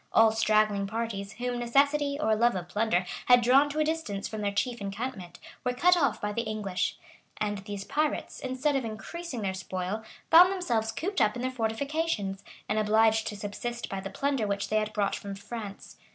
All straggling parties, whom necessity, or love of plunder, had drawn to a distance from their chief encampment, were cut off by the English;[] and these pirates, instead of increasing their spoil, found themselves cooped up in their fortifications, and obliged to subsist by the plunder which they had brought from France.